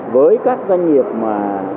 với các doanh nghiệp mà